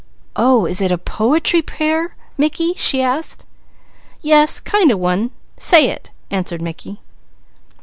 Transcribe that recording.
"Oh, is it a poetry prayer, Mickey?" she asked. "Yes. Kind of a one. Say it," answered Mickey.